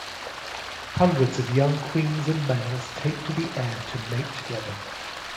Hundreds of young queens and males take to the air to mate together.